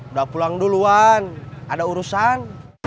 udah pulang duluan ada urusan